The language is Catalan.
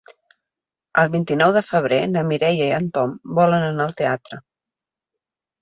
El vint-i-nou de febrer na Mireia i en Tom volen anar al teatre.